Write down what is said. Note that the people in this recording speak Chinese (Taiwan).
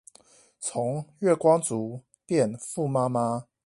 從月光族變富媽媽